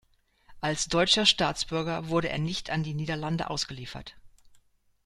Als deutscher Staatsbürger wurde er nicht an die Niederlande ausgeliefert.